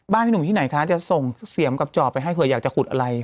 พี่หนุ่มที่ไหนคะจะส่งเสียมกับจอบไปให้เผื่ออยากจะขุดอะไร